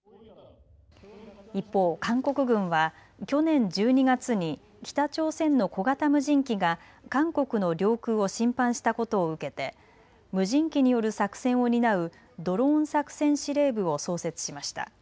一方、韓国軍は去年１２月に北朝鮮の小型無人機が韓国の領空を侵犯したことを受けて無人機による作戦を担うドローン作戦司令部を創設しました。